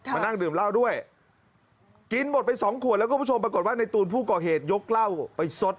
มานั่งดื่มเหล้าด้วยกินหมดไปสองขวดแล้วคุณผู้ชมปรากฏว่าในตูนผู้ก่อเหตุยกเหล้าไปซด